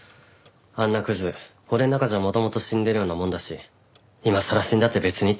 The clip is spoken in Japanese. あんなクズ俺の中じゃ元々死んでるようなもんだし今さら死んだって別に？